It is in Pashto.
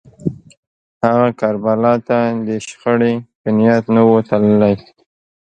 هغه کربلا ته د شخړې په نیت نه و تللی